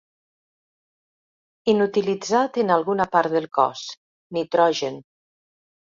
Inutilitzat en alguna part del cos. Nitrogen.